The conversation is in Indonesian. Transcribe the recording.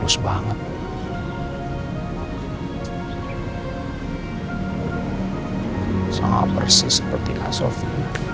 sama persis seperti kak sofi